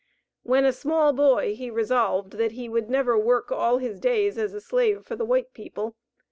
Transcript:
When a small boy he resolved, that he never would work all his days as a slave for the white people.